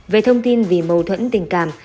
về thông tin vì mâu thuẫn tình cảm